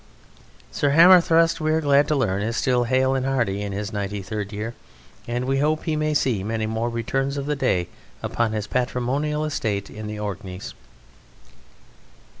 Sir Hammerthrust, we are glad to learn, is still hale and hearty in his ninety third year, and we hope he may see many more returns of the day upon his patrimonial estate in the Orkneys."